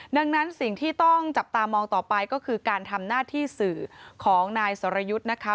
ดังนั้นสิ่งที่ต้องจับตามองต่อไปก็คือการทำหน้าที่สื่อของนายสรยุทธ์นะคะ